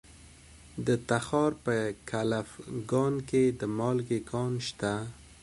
د تخار په کلفګان کې د مالګې کان شته.